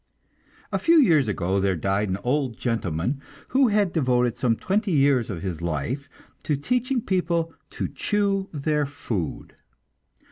A few years ago there died an old gentleman who had devoted some twenty years of his life to teaching people to chew their food.